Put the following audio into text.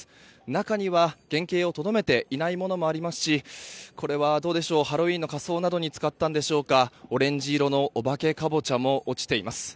中には、原形をとどめていないものもありますしハロウィーンの仮装などに使ったんでしょうかオレンジ色のお化けカボチャも落ちています。